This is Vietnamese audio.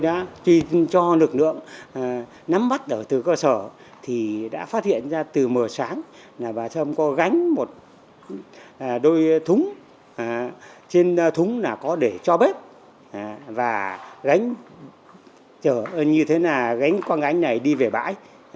đôi thúng trên thúng là có để cho bếp và gánh như thế nào gánh con gánh này đi về bãi